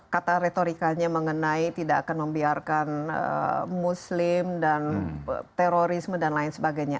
kata retorikanya mengenai tidak akan membiarkan muslim dan terorisme dan lain sebagainya